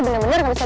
kita nungguin deh